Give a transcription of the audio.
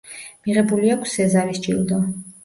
მიღებული აქვს სეზარის ჯილდო.